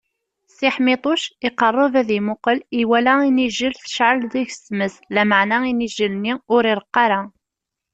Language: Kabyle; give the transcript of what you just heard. Si Ḥmiṭuc iqerreb ad imuqel, iwala inijjel tecɛel deg-s tmes, lameɛna inijlel-nni ur ireqq ara.